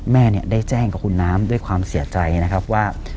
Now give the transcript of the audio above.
แม่เนี่ยได้แจ้งกับคุณน้ำด้วยความเสียใจนะครับว่า